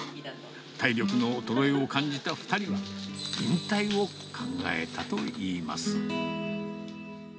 体力の衰えを感じた２人は、引退を考えたといいます。